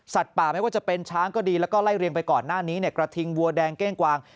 ป่าไม่ว่าจะเป็นช้างก็ดีแล้วก็ไล่เรียงไปก่อนหน้านี้เนี่ยกระทิงวัวแดงเก้งกวาง